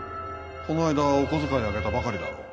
この間お小遣いあげたばかりだろ？